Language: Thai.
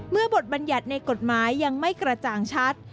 เมื่อบทบรรยัติในกฎหมายยังไม่กระจ่างชัด